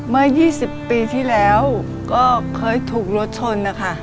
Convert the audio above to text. เมื่อ๒๐ปีที่แล้วก็เคยถูกรถชนนะคะ